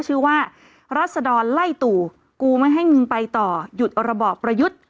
ชื่อว่ารัศดรไล่ตู่กูไม่ให้มึงไปต่อหยุดระบอบประยุทธ์